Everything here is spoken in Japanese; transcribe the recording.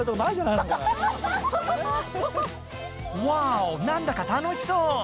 ワーオなんだか楽しそう！